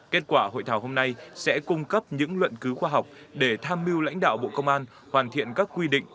kết quả hội thảo hôm nay sẽ cung cấp những luận cứu khoa học để tham mưu lãnh đạo bộ công an hoàn thiện các quy định